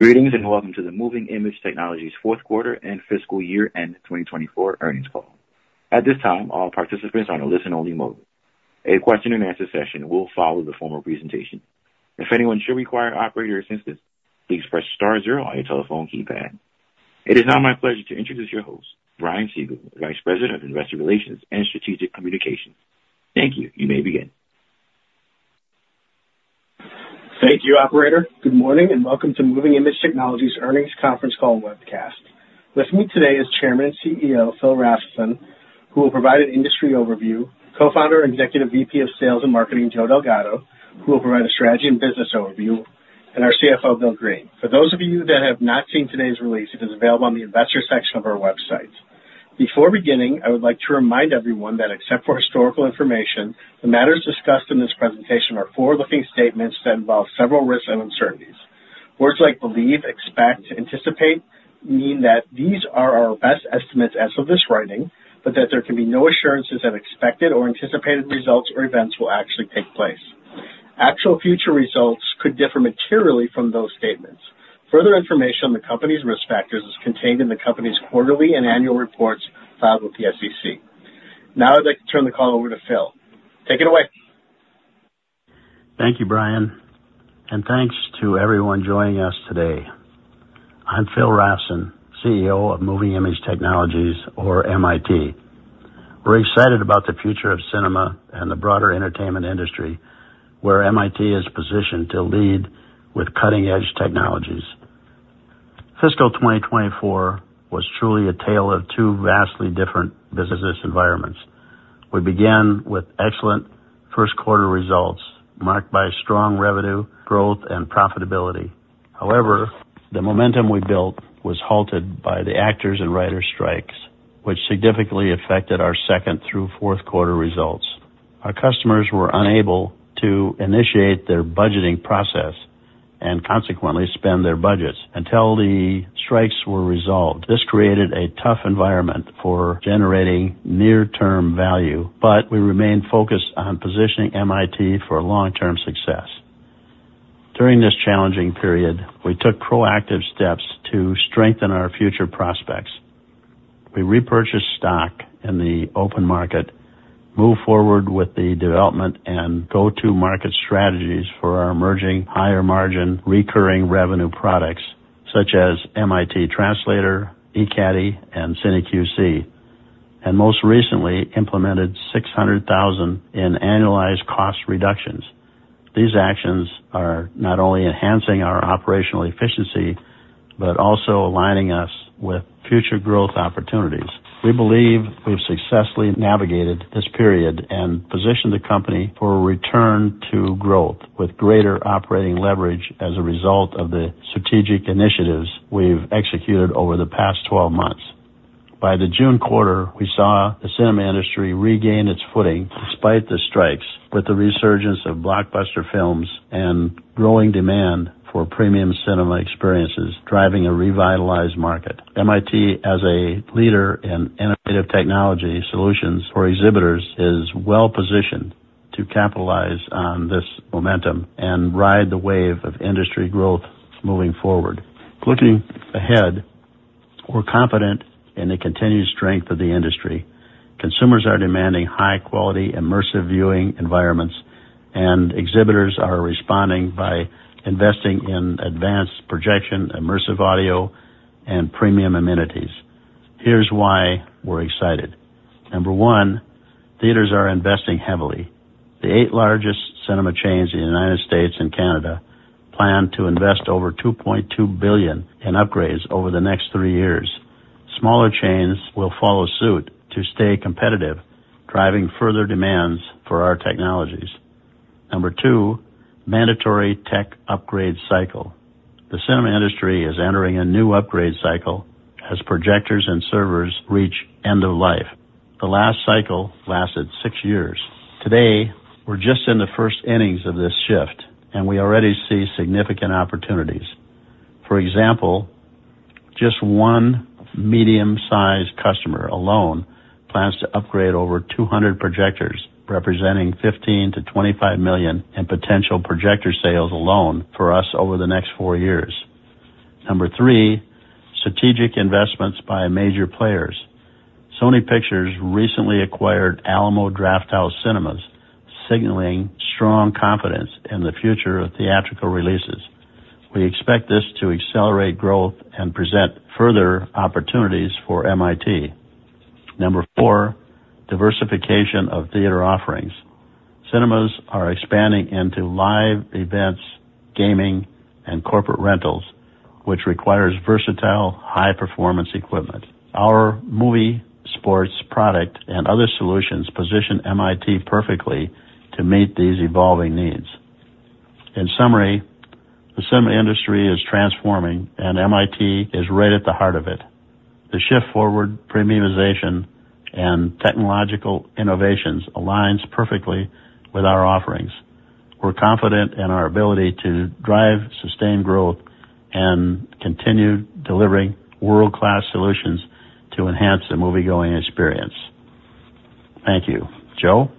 Greetings, and welcome to the Moving Image Technologies fourth quarter and fiscal year end twenty twenty-four earnings call. At this time, all participants are on a listen-only mode. A question-and-answer session will follow the formal presentation. If anyone should require operator assistance, please press star zero on your telephone keypad. It is now my pleasure to introduce your host, Brian Siegel, Vice President of Investor Relations and Strategic Communications. Thank you. You may begin. Thank you, operator. Good morning, and welcome to Moving Image Technologies Earnings Conference Call Webcast. With me today is Chairman and CEO, Phil Rafnson, who will provide an industry overview, Co-founder and Executive VP of Sales and Marketing, Joe Delgado, who will provide a strategy and business overview, and our CFO, Bill Green. For those of you that have not seen today's release, it is available on the investor section of our website. Before beginning, I would like to remind everyone that except for historical information, the matters discussed in this presentation are forward-looking statements that involve several risks and uncertainties. Words like believe, expect, anticipate mean that these are our best estimates as of this writing, but that there can be no assurances that expected or anticipated results or events will actually take place. Actual future results could differ materially from those statements. Further information on the company's risk factors is contained in the company's quarterly and annual reports filed with the SEC. Now, I'd like to turn the call over to Phil. Take it away. Thank you, Brian, and thanks to everyone joining us today. I'm Phil Rafnson, CEO of Moving Image Technologies, or MiT. We're excited about the future of cinema and the broader entertainment industry, where MiT is positioned to lead with cutting-edge technologies. Fiscal 2024 was truly a tale of two vastly different business environments. We began with excellent first quarter results, marked by strong revenue, growth, and profitability. However, the momentum we built was halted by the actors and writers strikes, which significantly affected our second through fourth quarter results. Our customers were unable to initiate their budgeting process and consequently spend their budgets until the strikes were resolved. This created a tough environment for generating near-term value, but we remained focused on positioning MiT for long-term success. During this challenging period, we took proactive steps to strengthen our future prospects. We repurchased stock in the open market, moved forward with the development and go-to-market strategies for our emerging higher-margin, recurring revenue products, such as MiT Translator, eCaddy, and CineQC, and most recently implemented $600,000 in annualized cost reductions. These actions are not only enhancing our operational efficiency, but also aligning us with future growth opportunities. We believe we've successfully navigated this period and positioned the company for a return to growth, with greater operating leverage as a result of the strategic initiatives we've executed over the past 12 months. By the June quarter, we saw the cinema industry regain its footing despite the strikes, with the resurgence of blockbuster films and growing demand for premium cinema experiences driving a revitalized market. MiT, as a leader in innovative technology solutions for exhibitors, is well-positioned to capitalize on this momentum and ride the wave of industry growth moving forward. Looking ahead, we're confident in the continued strength of the industry. Consumers are demanding high-quality, immersive viewing environments, and exhibitors are responding by investing in advanced projection, immersive audio, and premium amenities. Here's why we're excited. Number one, theaters are investing heavily. The eight largest cinema chains in the United States and Canada plan to invest over $2.2 billion in upgrades over the next three years. Smaller chains will follow suit to stay competitive, driving further demands for our technologies. Number two, mandatory tech upgrade cycle. The cinema industry is entering a new upgrade cycle as projectors and servers reach end of life. The last cycle lasted six years. Today, we're just in the first innings of this shift, and we already see significant opportunities. For example, just one medium-sized customer alone plans to upgrade over 200 projectors, representing $15 million-$25 million in potential projector sales alone for us over the next four years. Number three, strategic investments by major players. Sony Pictures recently acquired Alamo Drafthouse Cinemas, signaling strong confidence in the future of theatrical releases. We expect this to accelerate growth and present further opportunities for MiT. Number four, diversification of theater offerings. Cinemas are expanding into live events, gaming, and corporate rentals, which requires versatile, high-performance equipment. Our MovEsports product and other solutions position MiT perfectly to meet these evolving needs. In summary, the cinema industry is transforming, and MiT is right at the heart of it. The shift toward premiumization and technological innovations aligns perfectly with our offerings. We're confident in our ability to drive sustained growth and continue delivering world-class solutions to enhance the moviegoing experience. Thank you. Joe?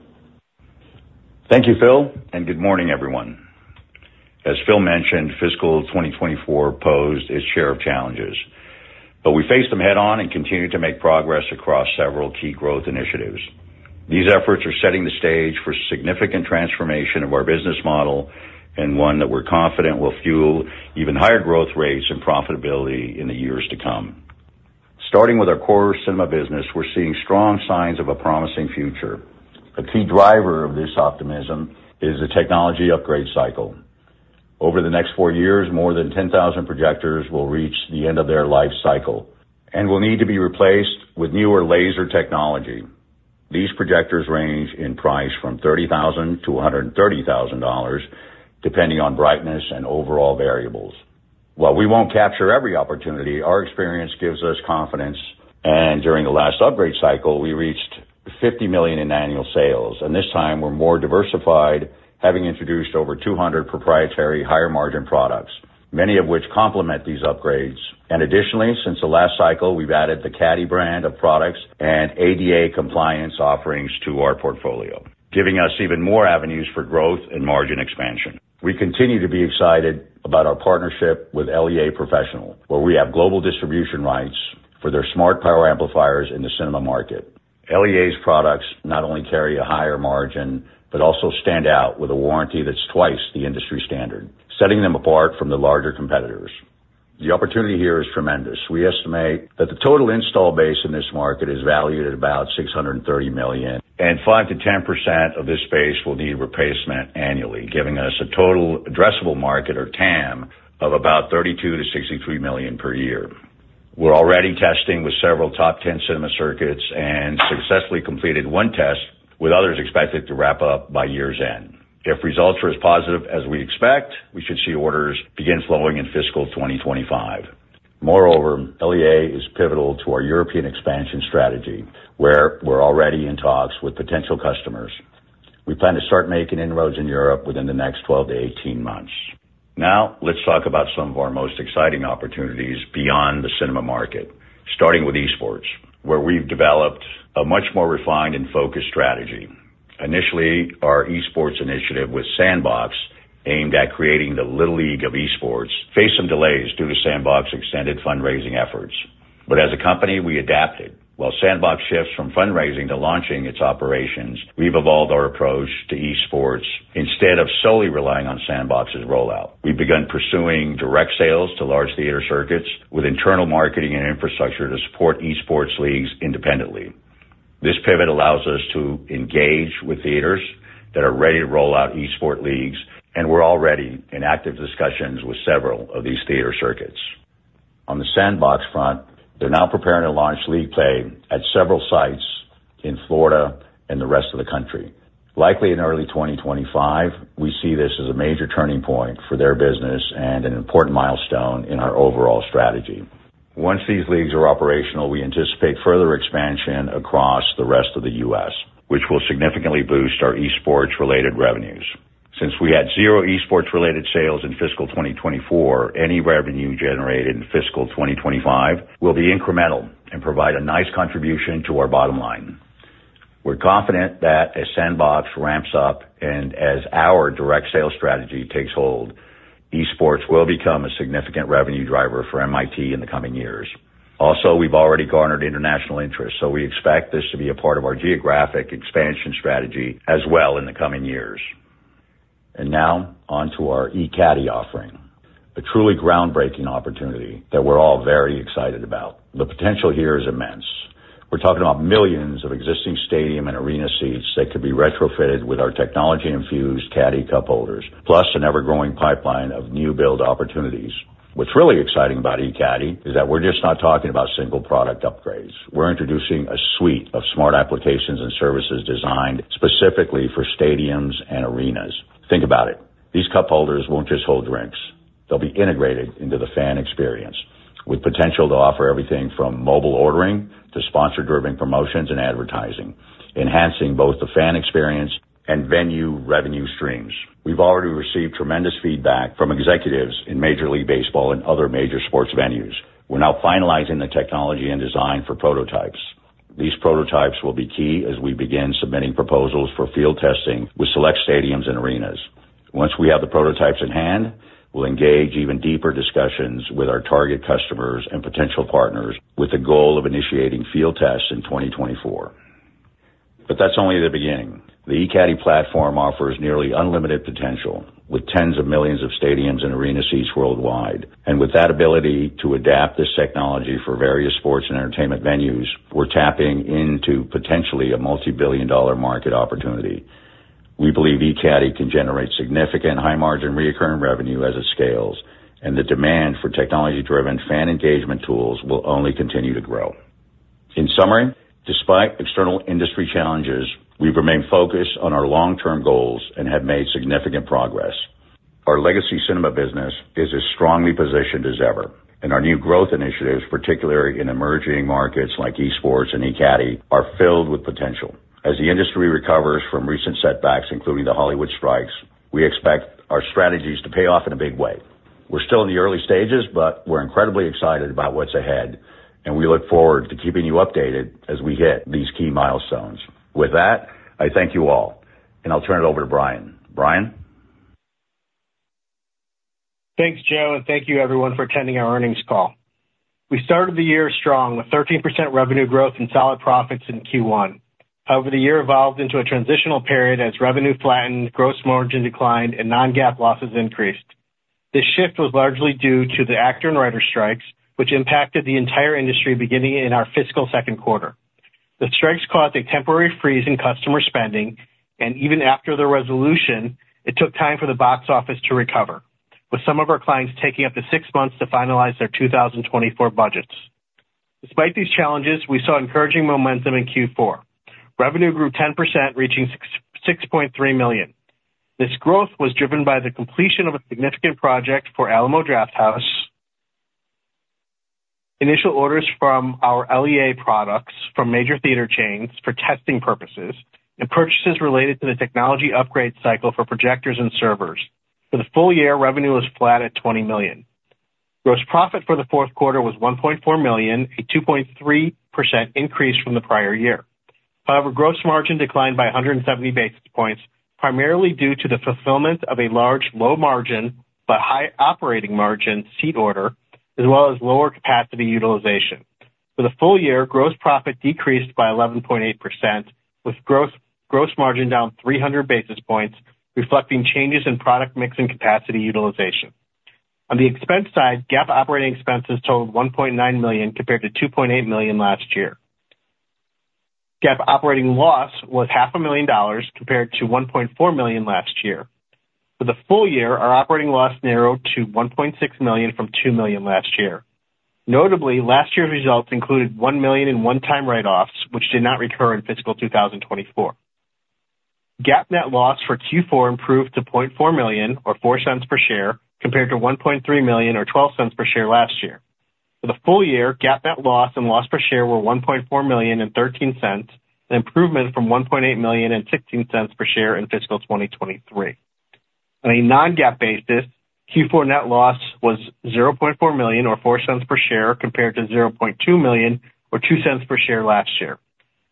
Thank you, Phil, and good morning, everyone. As Phil mentioned, fiscal twenty twenty-four posed its share of challenges, but we faced them head-on and continued to make progress across several key growth initiatives. These efforts are setting the stage for significant transformation of our business model and one that we're confident will fuel even higher growth rates and profitability in the years to come. Starting with our core cinema business, we're seeing strong signs of a promising future. A key driver of this optimism is the technology upgrade cycle. Over the next four years, more than 10,000 projectors will reach the end of their life cycle and will need to be replaced with newer laser technology. These projectors range in price from $30,000-$130,000, depending on brightness and overall variables. While we won't capture every opportunity, our experience gives us confidence, and during the last upgrade cycle, we reached $50 million in annual sales, and this time we're more diversified, having introduced over 200 proprietary higher-margin products, many of which complement these upgrades. And additionally, since the last cycle, we've added the Caddy brand of products and ADA compliance offerings to our portfolio, giving us even more avenues for growth and margin expansion. We continue to be excited about our partnership with LEA Professional, where we have global distribution rights for their smart power amplifiers in the cinema market. LEA's products not only carry a higher margin, but also stand out with a warranty that's twice the industry standard, setting them apart from the larger competitors. The opportunity here is tremendous. We estimate that the total install base in this market is valued at about $630 million, and 5%-10% of this space will need replacement annually, giving us a total addressable market or TAM of about $32 million-$63 million per year. We're already testing with several top 10 cinema circuits and successfully completed one test, with others expected to wrap up by year's end. If results are as positive as we expect, we should see orders begin flowing in fiscal 2025. Moreover, LEA is pivotal to our European expansion strategy, where we're already in talks with potential customers. We plan to start making inroads in Europe within the next 12-18 months. Now, let's talk about some of our most exciting opportunities beyond the cinema market, starting with esports, where we've developed a much more refined and focused strategy. Initially, our esports initiative with SNDBX, aimed at creating the Little League of esports, faced some delays due to SNDBX's extended fundraising efforts. But as a company, we adapted. While SNDBX shifts from fundraising to launching its operations, we've evolved our approach to esports. Instead of solely relying on SNDBX's rollout, we've begun pursuing direct sales to large theater circuits with internal marketing and infrastructure to support esports leagues independently. This pivot allows us to engage with theaters that are ready to roll out esports leagues, and we're already in active discussions with several of these theater circuits. On the SNDBX front, they're now preparing to launch league play at several sites in Florida and the rest of the country, likely in early twenty twenty-five. We see this as a major turning point for their business and an important milestone in our overall strategy. Once these leagues are operational, we anticipate further expansion across the rest of the U.S., which will significantly boost our esports-related revenues. Since we had zero esports-related sales in fiscal twenty twenty-four, any revenue generated in fiscal twenty twenty-five will be incremental and provide a nice contribution to our bottom line. We're confident that as SNDBX ramps up and as our direct sales strategy takes hold, esports will become a significant revenue driver for MiT in the coming years. Also, we've already garnered international interest, so we expect this to be a part of our geographic expansion strategy as well in the coming years. And now on to our eCaddy offering, a truly groundbreaking opportunity that we're all very excited about. The potential here is immense. We're talking about millions of existing stadium and arena seats that could be retrofitted with our technology-infused Caddy cup holders, plus an ever-growing pipeline of new build opportunities. What's really exciting about eCaddy is that we're just not talking about single product upgrades. We're introducing a suite of smart applications and services designed specifically for stadiums and arenas. Think about it. These cup holders won't just hold drinks. They'll be integrated into the fan experience, with potential to offer everything from mobile ordering to sponsor-driven promotions and advertising, enhancing both the fan experience and venue revenue streams. We've already received tremendous feedback from executives in Major League Baseball and other major sports venues. We're now finalizing the technology and design for prototypes. These prototypes will be key as we begin submitting proposals for field testing with select stadiums and arenas. Once we have the prototypes in hand, we'll engage even deeper discussions with our target customers and potential partners with the goal of initiating field tests in twenty twenty-four, but that's only the beginning. The eCaddy platform offers nearly unlimited potential, with tens of millions of stadiums and arena seats worldwide, and with that ability to adapt this technology for various sports and entertainment venues, we're tapping into potentially a multibillion-dollar market opportunity. We believe eCaddy can generate significant high margin recurring revenue as it scales, and the demand for technology-driven fan engagement tools will only continue to grow. In summary, despite external industry challenges, we've remained focused on our long-term goals and have made significant progress. Our legacy cinema business is as strongly positioned as ever, and our new growth initiatives, particularly in emerging markets like esports and eCaddy, are filled with potential. As the industry recovers from recent setbacks, including the Hollywood strikes, we expect our strategies to pay off in a big way. We're still in the early stages, but we're incredibly excited about what's ahead... and we look forward to keeping you updated as we hit these key milestones. With that, I thank you all, and I'll turn it over to Brian. Brian? Thanks, Joe, and thank you everyone for attending our earnings call. We started the year strong, with 13% revenue growth and solid profits in Q1. However, the year evolved into a transitional period as revenue flattened, gross margin declined, and non-GAAP losses increased. This shift was largely due to the actor and writer strikes, which impacted the entire industry beginning in our fiscal second quarter. The strikes caused a temporary freeze in customer spending, and even after the resolution, it took time for the box office to recover, with some of our clients taking up to six months to finalize their two thousand and twenty-four budgets. Despite these challenges, we saw encouraging momentum in Q4. Revenue grew 10%, reaching $6.6 million. This growth was driven by the completion of a significant project for Alamo Drafthouse, initial orders from our LEA products from major theater chains for testing purposes, and purchases related to the technology upgrade cycle for projectors and servers. For the full year, revenue was flat at $20 million. Gross profit for the fourth quarter was $1.4 million, a 2.3% increase from the prior year. However, gross margin declined by a hundred and seventy basis points, primarily due to the fulfillment of a large, low margin but high operating margin seat order, as well as lower capacity utilization. For the full year, gross profit decreased by 11.8%, with gross margin down three hundred basis points, reflecting changes in product mix and capacity utilization. On the expense side, GAAP operating expenses totaled $1.9 million, compared to $2.8 million last year. GAAP operating loss was $500,000, compared to $1.4 million last year. For the full year, our operating loss narrowed to $1.6 million from $2 million last year. Notably, last year's results included $1 million in one-time write-offs, which did not recur in fiscal 2024. GAAP net loss for Q4 improved to $0.4 million, or $0.04 per share, compared to $1.3 million, or $0.12 per share last year. For the full year, GAAP net loss and loss per share were $1.4 million and $0.13, an improvement from $1.8 million and $0.16 per share in fiscal 2023. On a non-GAAP basis, Q4 net loss was $0.4 million, or $0.04 per share, compared to $0.2 million, or $0.02 per share last year.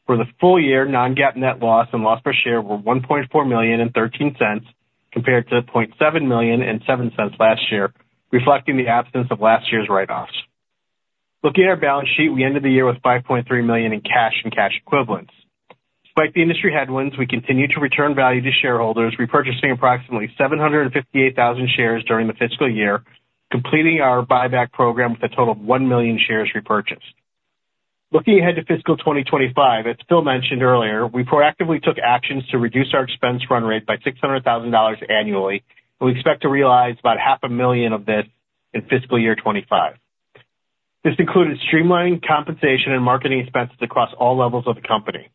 For the full year, non-GAAP net loss and loss per share were $1.4 million and $0.13, compared to $0.7 million and $0.07 last year, reflecting the absence of last year's write-offs. Looking at our balance sheet, we ended the year with $5.3 million in cash and cash equivalents. Despite the industry headwinds, we continued to return value to shareholders, repurchasing approximately 758,000 shares during the fiscal year, completing our buyback program with a total of 1 million shares repurchased. Looking ahead to fiscal 2025, as Phil mentioned earlier, we proactively took actions to reduce our expense run rate by $600,000 annually, and we expect to realize about $500,000 of this in fiscal year 2025. This included streamlining compensation and marketing expenses across all levels of the company.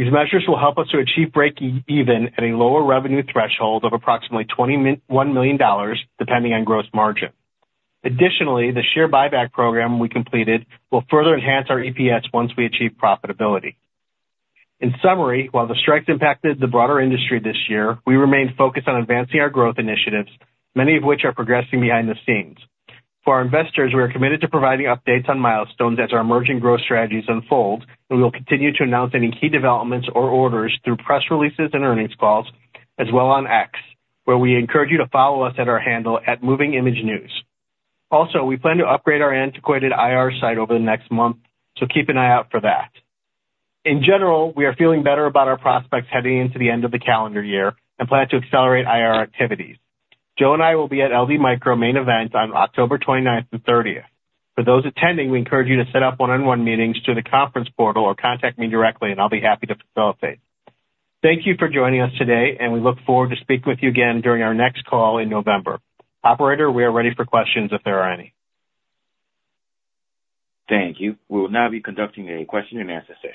These measures will help us to achieve breakeven at a lower revenue threshold of approximately $20 million, depending on gross margin. Additionally, the share buyback program we completed will further enhance our EPS once we achieve profitability. In summary, while the strikes impacted the broader industry this year, we remained focused on advancing our growth initiatives, many of which are progressing behind the scenes. For our investors, we are committed to providing updates on milestones as our emerging growth strategies unfold, and we will continue to announce any key developments or orders through press releases and earnings calls, as well on X, where we encourage you to follow us at our handle, at Moving Image News. Also, we plan to upgrade our antiquated IR site over the next month, so keep an eye out for that. In general, we are feeling better about our prospects heading into the end of the calendar year and plan to accelerate IR activities. Joe and I will be at LD Micro Main Event on October twenty-ninth and thirtieth. For those attending, we encourage you to set up one-on-one meetings through the conference portal or contact me directly, and I'll be happy to facilitate. Thank you for joining us today, and we look forward to speaking with you again during our next call in November. Operator, we are ready for questions if there are any. Thank you. We will now be conducting a question-and-answer session.